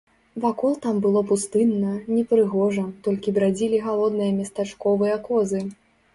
Вакол там было пустынна, непрыгожа, толькі брадзілі галодныя местачковыя козы.